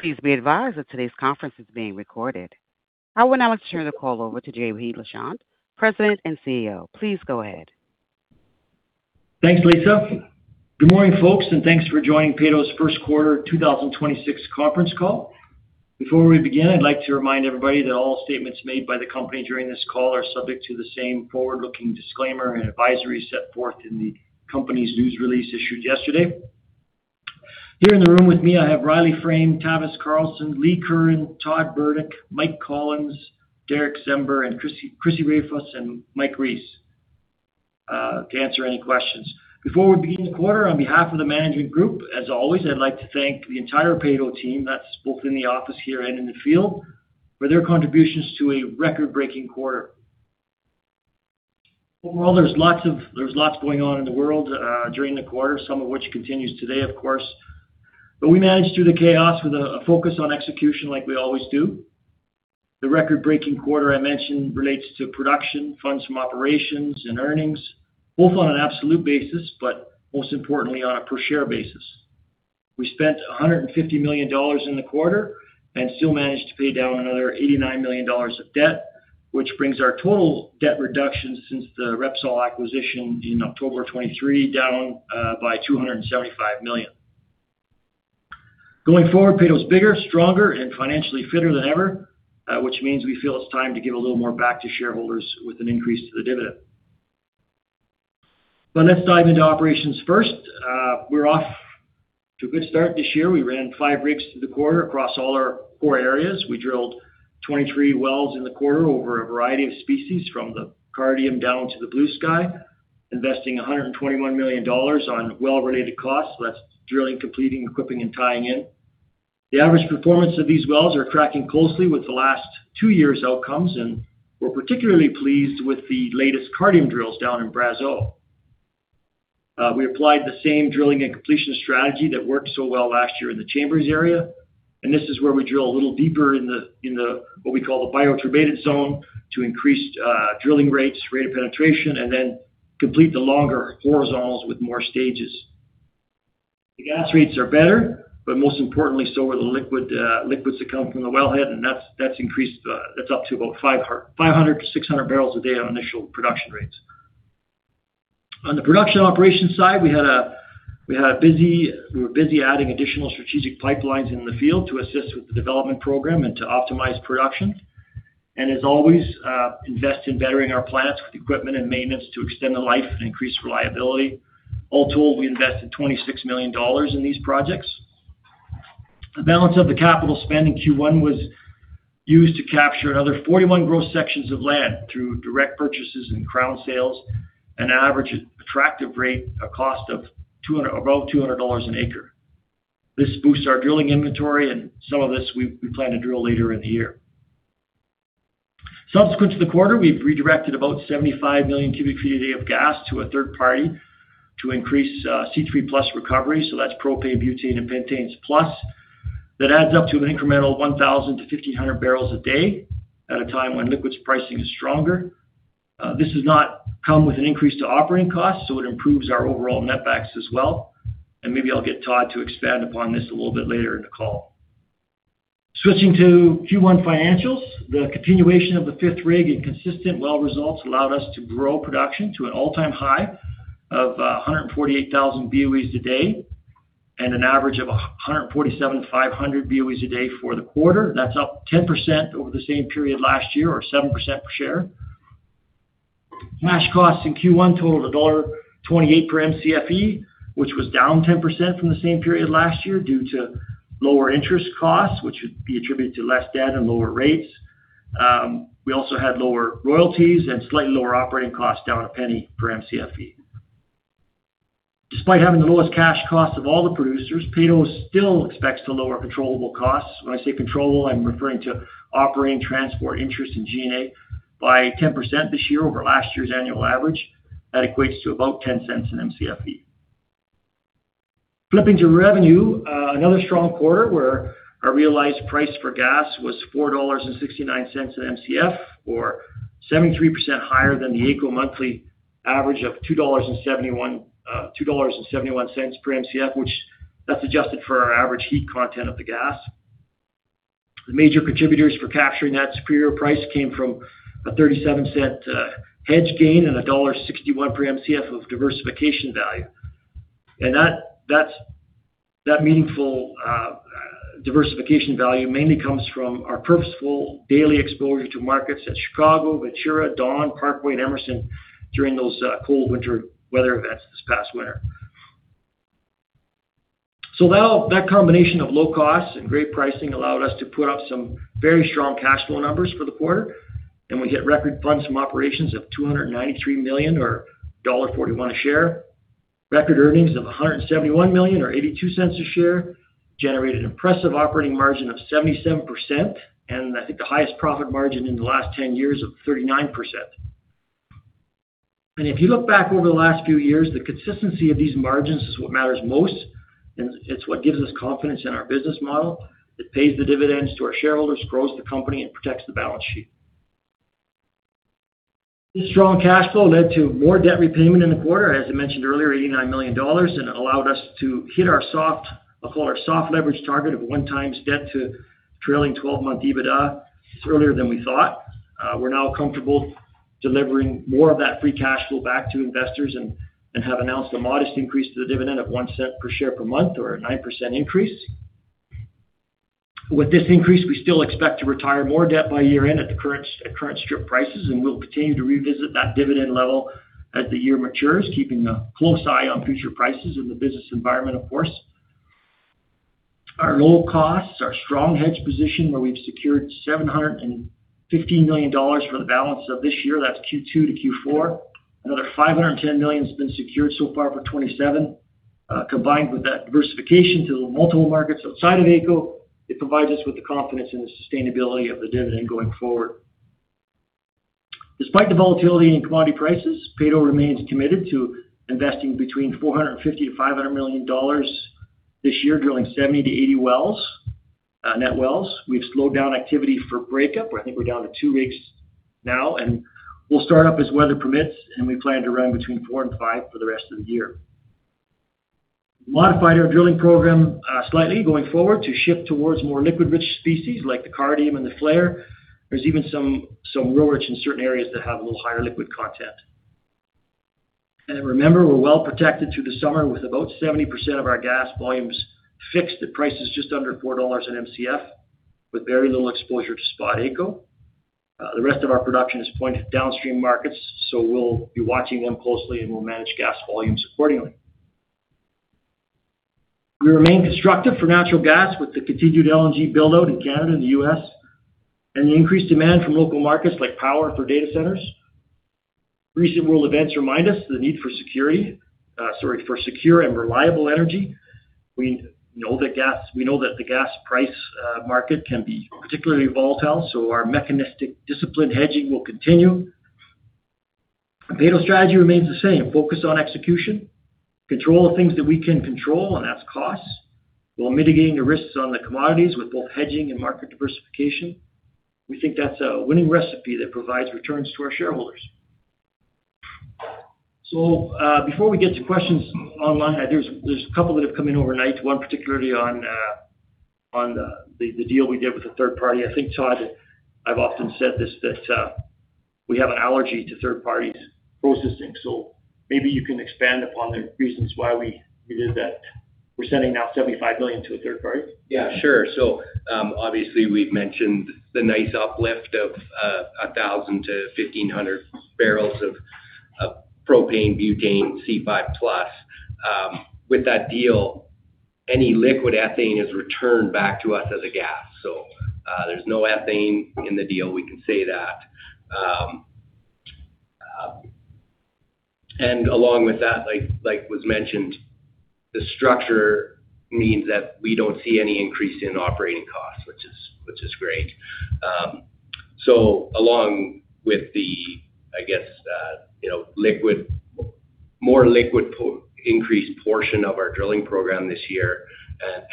Please be advised that today's conference is being recorded. I would now like to turn the call over to JP Lachance, President and CEO. Please go ahead. Thanks, Lisa. Good morning, folks, and thanks for joining Peyto's first quarter 2026 conference call. Before we begin, I'd like to remind everybody that all statements made by the company during this call are subject to the same forward-looking disclaimer and advisory set forth in the company's news release issued yesterday. Here in the room with me, I have Riley Frame, Tavis Carlson, Lee Curran, Todd Burdick, Michael Collens, Derick Czember, and Crissy Rafoss, and Mike Rees, to answer any questions. Before we begin the quarter, on behalf of the management group, as always, I'd like to thank the entire Peyto team that's both in the office here and in the field for their contributions to a record-breaking quarter. Overall, there's lots going on in the world during the quarter, some of which continues today, of course. We managed through the chaos with a focus on execution like we always do. The record-breaking quarter I mentioned relates to production, funds from operations, and earnings, both on an absolute basis, but most importantly, on a per share basis. We spent 150 million dollars in the quarter and still managed to pay down another 89 million dollars of debt, which brings our total debt reduction since the Repsol acquisition in October of 2023 down by 275 million. Going forward, Peyto's bigger, stronger, and financially fitter than ever, which means we feel it's time to give a little more back to shareholders with an increase to the dividend. Let's dive into operations first. We're off to a good start this year. We ran 5 rigs through the quarter across all our core areas. We drilled 23 wells in the quarter over a variety of species, from the Cardium down to the Bluesky, investing 121 million dollars on well-related costs. That's drilling, completing, equipping, and tying in. The average performance of these wells are tracking closely with the last two years' outcomes, and we're particularly pleased with the latest Cardium drills down in Brazeau. We applied the same drilling and completion strategy that worked so well last year in the Chambers area, and this is where we drill a little deeper in the what we call the bioturbated zone to increase drilling rates, rate of penetration, and then complete the longer horizontals with more stages. The gas rates are better, but most importantly, so are the liquids that come from the wellhead, and that's increased up to about 500-600 barrels a day on initial production rates. On the production operations side, we were busy adding additional strategic pipelines in the field to assist with the development program and to optimize production. As always, invest in bettering our plants with equipment and maintenance to extend the life and increase reliability. All told, we invested 26 million dollars in these projects. The balance of the capital spend in Q1 was used to capture another 41 gross sections of land through direct purchases and crown sales at an average attractive rate, a cost of about 200 dollars an acre. This boosts our drilling inventory, some of this we plan to drill later in the year. Subsequent to the quarter, we've redirected about 75 million cubic feet a day of gas to a third party to increase C3+ recovery, so that's propane, butane, and C5+. That adds up to an incremental 1,000-1,500 barrels a day at a time when liquids pricing is stronger. This does not come with an increase to operating costs, it improves our overall net backs as well. Maybe I'll get Todd to expand upon this a little bit later in the call. Switching to Q1 financials, the continuation of the fifth rig and consistent well results allowed us to grow production to an all-time high of 148,000 BOEs a day and an average of 147,500 BOEs a day for the quarter. That's up 10% over the same period last year or 7% per share. Cash costs in Q1 totaled dollar 1.28 per Mcfe, which was down 10% from the same period last year due to lower interest costs, which would be attributed to less debt and lower rates. We also had lower royalties and slightly lower operating costs, down CAD 0.01 per Mcfe. Despite having the lowest cash costs of all the producers, Peyto still expects to lower controllable costs. When I say controllable, I am referring to operating, transport, interest, and G&A by 10% this year over last year's annual average. That equates to about 0.10 an Mcfe. Flipping to revenue, another strong quarter where our realized price for gas was 4.69 dollars an Mcf, or 73% higher than the AECO monthly average of 2.71 dollars per Mcf, which that's adjusted for our average heat content of the gas. The major contributors for capturing that superior price came from a 0.37 hedge gain and a dollar 1.61 per Mcf of diversification value. That meaningful diversification value mainly comes from our purposeful daily exposure to markets such as Chicago, Ventura, Dawn, Parkway, and Emerson during those cold winter weather events this past winter. That combination of low costs and great pricing allowed us to put up some very strong cash flow numbers for the quarter, and we hit record funds from operations of 293 million or dollar 1.41 a share. Record earnings of 171 million or 0.82 a share generated an impressive operating margin of 77%, and I think the highest profit margin in the last 10 years of 39%. If you look back over the last few years, the consistency of these margins is what matters most, and it's what gives us confidence in our business model. It pays the dividends to our shareholders, grows the company, and protects the balance sheet. The strong cash flow led to more debt repayment in the quarter, as I mentioned earlier, 89 million dollars, and it allowed us to hit our soft leverage target of 1 time debt to trailing 12-month EBITDA earlier than we thought. We're now comfortable delivering more of that free cash flow back to investors and have announced a modest increase to the dividend of 0.01 per share per month or a 9% increase. With this increase, we still expect to retire more debt by year-end at current strip prices, and we'll continue to revisit that dividend level as the year matures, keeping a close eye on future prices and the business environment, of course. Our low costs, our strong hedge position, where we've secured 715 million dollars for the balance of this year, that's Q2 to Q4. Another 510 million has been secured so far for 2027. Combined with that diversification to the multiple markets outside of AECO, it provides us with the confidence in the sustainability of the dividend going forward. Despite the volatility in commodity prices, Peyto remains committed to investing between 450 million-500 million dollars this year, drilling 70-80 wells, net wells. We've slowed down activity for breakup. I think we're down to two rigs now, and we'll start up as weather permits, and we plan to run between four and five for the rest of the year. We modified our drilling program slightly going forward to shift towards more liquid-rich species like the Cardium and the Falher. There's even some oil rich in certain areas that have a little higher liquid content. Remember, we're well protected through the summer with about 70% of our gas volumes fixed at prices just under 4 dollars at MCF, with very little exposure to spot AECO. The rest of our production is pointed at downstream markets, we'll be watching them closely, we'll manage gas volumes accordingly. We remain constructive for natural gas with the continued LNG build-out in Canada and the U.S. and the increased demand from local markets like power for data centers. Recent world events remind us the need for secure and reliable energy. We know that the gas price market can be particularly volatile, our mechanistic disciplined hedging will continue. Peyto's strategy remains the same, focus on execution, control the things that we can control, and that's costs, while mitigating the risks on the commodities with both hedging and market diversification. We think that's a winning recipe that provides returns to our shareholders. Before we get to questions online, there's a couple that have come in overnight. One particularly on the deal we did with a third party. I think, Todd, I've often said this, that we have an allergy to third parties processing. Maybe you can expand upon the reasons why we did that. We're sending now 75 million to a third party. Yeah, sure. Obviously, we've mentioned the nice uplift of 1,000 to 1,500 barrels of propane, butane, C5+. With that deal, any liquid ethane is returned back to us as a gas. There's no ethane in the deal, we can say that. Along with that, like was mentioned, the structure means that we don't see any increase in operating costs, which is great. Along with the, I guess, you know, more liquid increased portion of our drilling program this year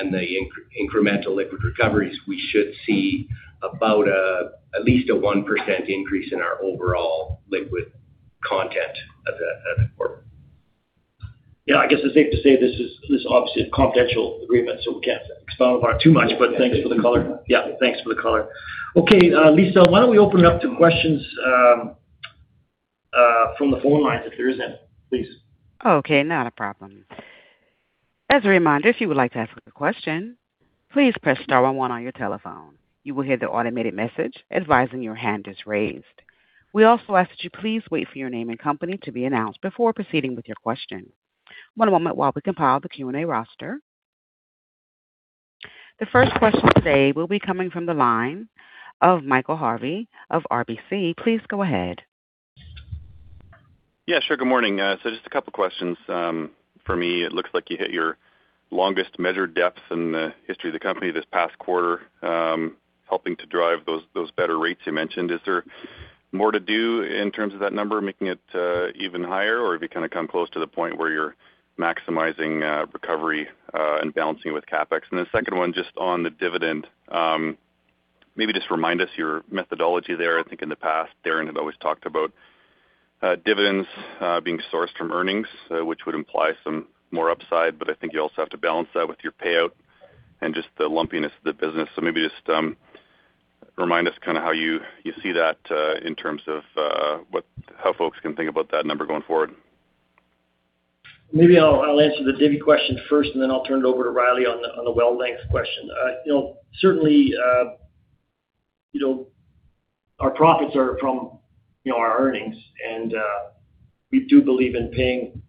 and the incremental liquid recoveries, we should see about at least a 1% increase in our overall liquid content at the port. I guess it's safe to say this is obviously a confidential agreement. We can't expound upon it too much. Thanks for the color. Thanks for the color. Lisa, why don't we open it up to questions from the phone lines if there is any, please. Okay, not a problem. As a reminder, if you would like to ask a question, please press star one one on your telephone. We also ask that you please wait for your name and company to be announced before proceeding with your question. The first question today will be coming from the line of Michael Harvey of RBC. Please go ahead. Yeah, sure. Good morning. Just a couple questions. For me, it looks like you hit your longest measured depths in the history of the company this past quarter, helping to drive those better rates you mentioned. Is there more to do in terms of that number, making it even higher, or have you kind of come close to the point where you are maximizing recovery and balancing with CapEx? The second one, just on the dividend, maybe just remind us your methodology there. I think in the past, Darren had always talked about dividends being sourced from earnings, which would imply some more upside. I think you also have to balance that with your payout and just the lumpiness of the business. Maybe just remind us kinda how you see that, in terms of, how folks can think about that number going forward? Maybe I'll answer the divvy question first. Then I'll turn it over to Riley on the well length question. You know, certainly, you know, our profits are from, you know, our earnings. We do believe in paying,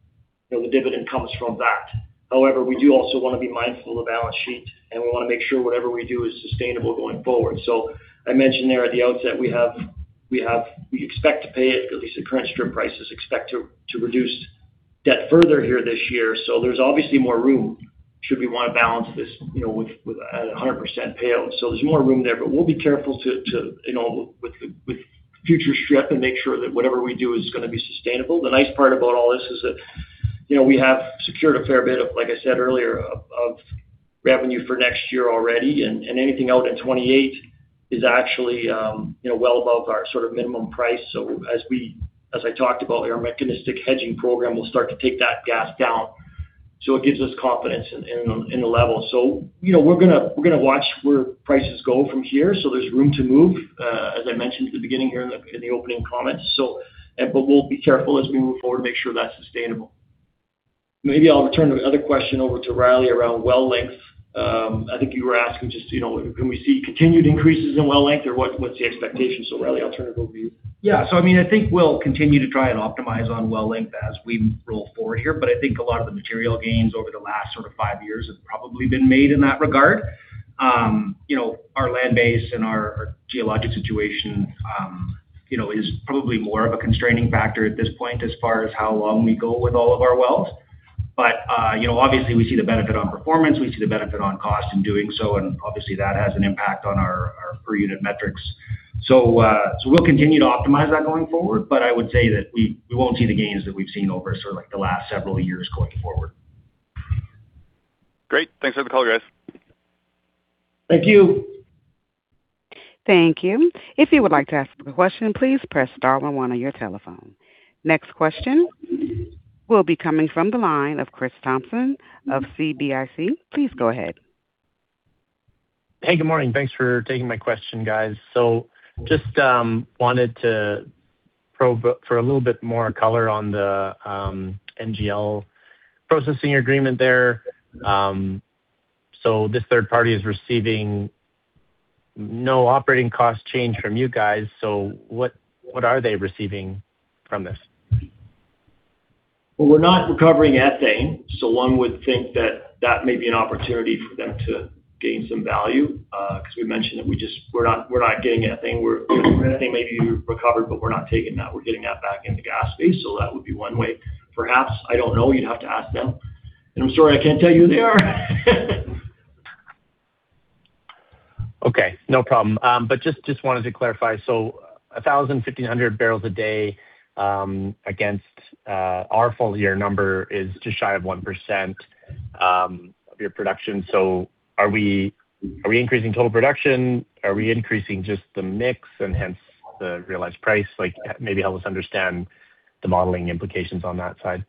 you know, the dividend comes from that. However, we do also wanna be mindful of balance sheet. We wanna make sure whatever we do is sustainable going forward. I mentioned there at the outset, we expect to pay it at least at current strip prices, expect to reduce debt further here this year. There's obviously more room should we wanna balance this, you know, with 100% payout. There's more room there, but we'll be careful to, you know, with future strip and make sure that whatever we do is gonna be sustainable. The nice part about all this is that. You know, we have secured a fair bit of, like I said earlier, of revenue for next year already. Anything out in 28 is actually, you know, well above our sort of minimum price. As I talked about, our mechanistic hedging program will start to take that gas down, so it gives us confidence in the level. You know, we're gonna watch where prices go from here, so there's room to move, as I mentioned at the beginning here in the opening comments. We'll be careful as we move forward to make sure that's sustainable. Maybe I'll turn the other question over to Riley around well length. I think you were asking just, you know, can we see continued increases in well length or what's the expectation? Riley, I'll turn it over to you. Yeah. I mean, I think we'll continue to try and optimize on well length as we roll forward here. I think a lot of the material gains over the last sort of five years have probably been made in that regard. You know, our land base and our geologic situation, you know, is probably more of a constraining factor at this point as far as how long we go with all of our wells. You know, obviously, we see the benefit on performance, we see the benefit on cost in doing so, and obviously, that has an impact on our per unit metrics. We'll continue to optimize that going forward, but I would say that we won't see the gains that we've seen over sort of like the last several years going forward. Great. Thanks for the call, guys. Thank you. Thank you. If you would like to ask a question, please press star one one on your telephone. Next question will be coming from the line of Chris Thompson of CIBC. Please go ahead. Hey, good morning. Thanks for taking my question, guys. Just wanted to probe for a little bit more color on the NGL processing agreement there. This third party is receiving no operating cost change from you guys. What are they receiving from this? We're not recovering ethane. One would think that that may be an opportunity for them to gain some value because we mentioned that we're not getting ethane. Ethane may be recovered, we're not taking that. We're getting that back in the gas phase. That would be one way. Perhaps, I don't know, you'd have to ask them. I'm sorry, I can't tell you who they are. Okay, no problem. Just wanted to clarify. 1,000-1,500 barrels a day against our full year number is just shy of 1% of your production. Are we increasing total production? Are we increasing just the mix and hence the realized price? Maybe help us understand the modeling implications on that side.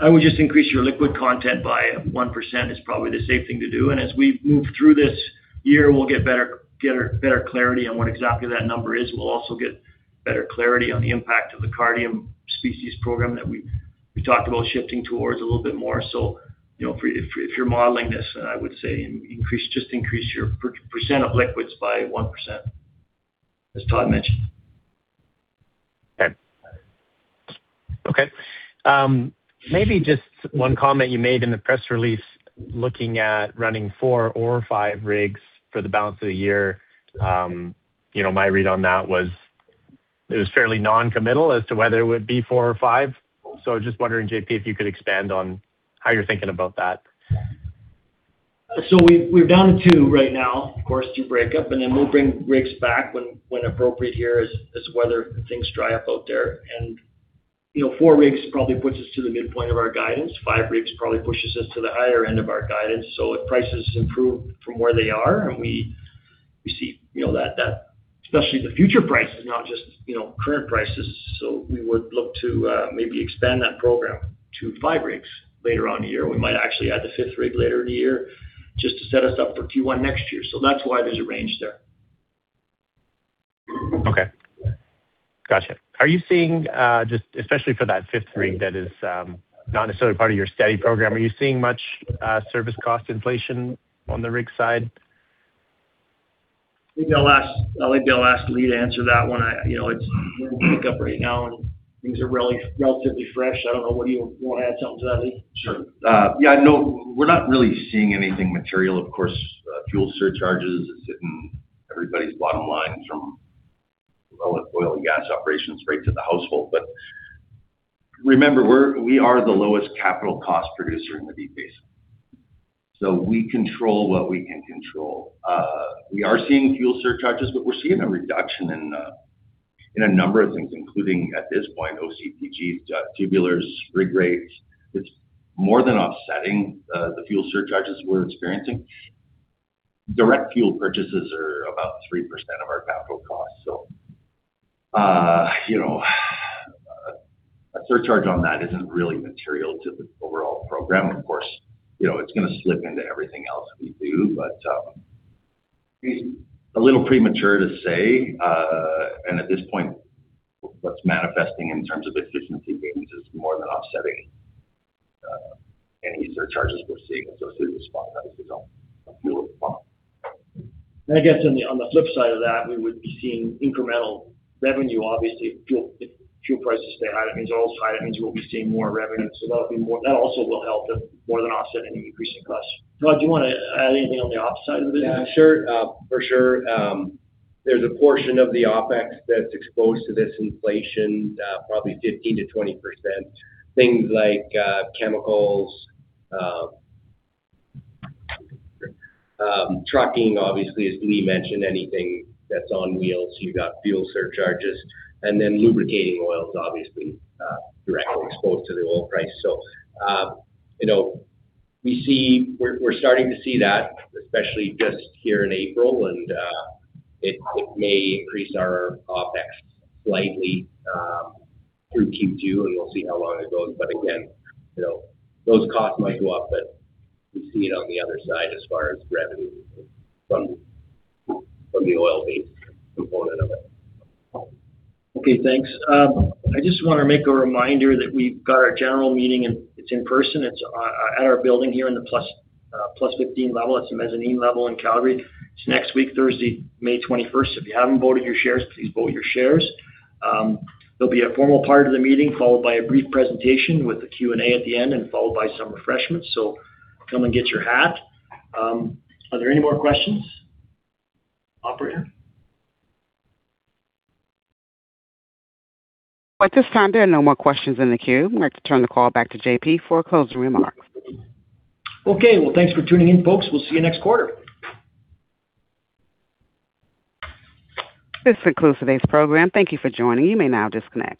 I would just increase your liquid content by 1% is probably the safe thing to do. As we move through this year, we'll get better clarity on what exactly that number is. We'll also get better clarity on the impact of the Cardium species program that we talked about shifting towards a little bit more. You know, if you're modeling this, I would say just increase your percent of liquids by 1%, as Todd mentioned. Okay. Okay. Maybe just one comment you made in the press release, looking at running four or five rigs for the balance of the year. You know, my read on that was it was fairly non-committal as to whether it would be four or five. Just wondering, JP, if you could expand on how you're thinking about that? We're down to two right now, of course, through breakup, and then we'll bring rigs back when appropriate here as weather things dry up out there. You know, four rigs probably puts us to the midpoint of our guidance. Five rigs probably pushes us to the higher end of our guidance. If prices improve from where they are and we see, you know, that, especially the future prices, not just, you know, current prices. We would look to maybe expand that program to five rigs later on in the year. We might actually add the fifth rig later in the year just to set us up for Q1 next year. That's why there's a range there. Okay. Gotcha. Are you seeing, just especially for that fifth rig that is not necessarily part of your steady program, are you seeing much service cost inflation on the rig side? Maybe I'll ask Lee to answer that one. I, you know, it's in pickup right now, and things are really relatively fresh. I don't know, what do you wanna add something to that, Lee? Sure. Yeah, no, we're not really seeing anything material. Of course, fuel surcharges is hitting everybody's bottom lines from all oil and gas operations right to the household. Remember, we are the lowest capital cost producer in the Deep Basin. We control what we can control. We are seeing fuel surcharges, but we're seeing a reduction in a number of things, including at this point, OCTG, tubulars, rig rates. It's more than offsetting the fuel surcharges we're experiencing. Direct fuel purchases are about 3% of our capital costs. You know, a surcharge on that isn't really material to the overall program. Of course, you know, it's gonna slip into everything else we do. A little premature to say. At this point, what's manifesting in terms of efficiency gains is more than offsetting any surcharges we're seeing associated with spot. Obviously, don't fuel with the spot. I guess on the flip side of that, we would be seeing incremental revenue. Obviously, if fuel prices stay high, that means oil is high, that means we'll be seeing more revenue. That would be more that also will help more than offset any increase in cost. Todd, do you wanna add anything on the op side of it? Sure. For sure. There's a portion of the OpEx that's exposed to this inflation, probably 15%-20%. Things like chemicals, trucking, obviously, as Lee mentioned, anything that's on wheels, you got fuel surcharges. Lubricating oils obviously directly exposed to the oil price. You know, we're starting to see that, especially just here in April, it may increase our OpEx slightly through Q2, and we'll see how long it goes. Again, you know, those costs might go up, but we see it on the other side as far as revenue from the oil-based component of it. Okay, thanks. I just wanna make a reminder that we've got our general meeting, and it's in person. It's at our building here in the +15 level. It's a mezzanine level in Calgary. It's next week, Thursday, May 21st. If you haven't voted your shares, please vote your shares. There'll be a formal part of the meeting followed by a brief presentation with the Q&A at the end and followed by some refreshments. Come and get your hat. Are there any more questions, operator? At this time, there are no more questions in the queue. We'd like to turn the call back to JP for closing remarks. Okay. Well, thanks for tuning in, folks. We'll see you next quarter. This concludes today's program. Thank you for joining. You may now disconnect.